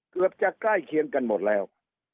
เกือบจะใกล้เคียงกันหมดแล้ว